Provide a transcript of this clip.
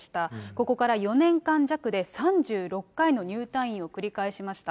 ここから４年間弱で３６回の入退院を繰り返しました。